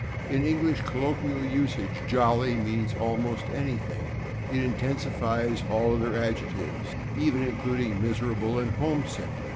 In English colloquial usage /jolly/ means almost anything; it intensifies all other adjectives, even including /miserable/ and /homesick